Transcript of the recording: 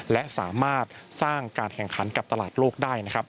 และสามารถสร้างการแข่งขันกับตลาดโลกได้นะครับ